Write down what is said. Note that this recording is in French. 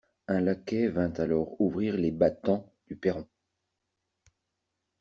Un laquais vint alors ouvrir les battants du perron.